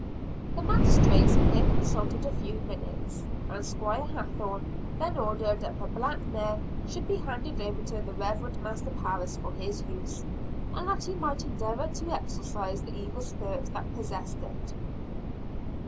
The magistrates here consulted a few minutes, and Squire Hathorne then ordered that the black mare should be handed over to the Rev. Master Parris for his use, and that he might endeavor to exorcise the evil spirit that possessed it.